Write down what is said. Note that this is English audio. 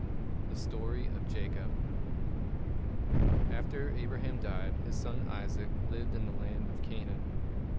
THE STORY OF JACOB After Abraham died, his son Isaac lived in the land of Canaan.